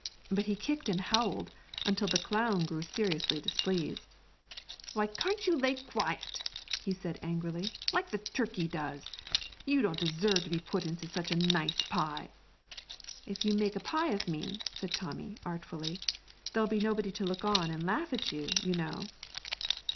But he kicked and howled until the clown grew seriously displeased. 'Why carn't you lay quiet,' he said angrily, 'like the turkey does? you don't deserve to be put into such a nice pie!' 'If you make a pie of me,' said Tommy, artfully, 'there'll be nobody to look on and laugh at you, you know!'